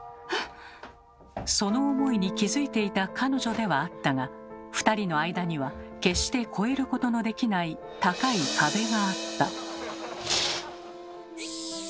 その思いに気付いていた彼女ではあったが２人の間には決して越えることのできない高い壁があった。